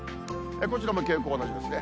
こちらも傾向同じですね。